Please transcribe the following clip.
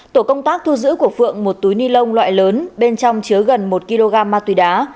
tổ công tác thu giữ của phượng một túi ni lông loại lớn bên trong chứa gần một kg ma túy đá